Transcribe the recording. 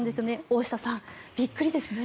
大下さん、びっくりですね。